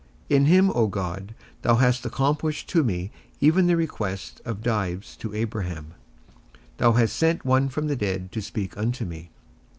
In him, O God, thou hast accomplished to me even the request of Dives to Abraham; thou hast sent one from the dead to speak unto me.